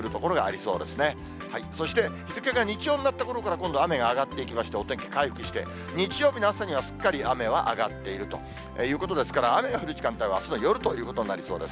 そして、日付が日曜になったころから今度、雨が上がっていきまして、お天気回復して、日曜日の朝にはすっかり雨は上がってるということで、雨の降る時間帯はあすの夜ということになりそうです。